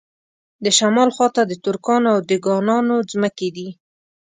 د شمال خواته د ترکانو او دېګانانو ځمکې دي.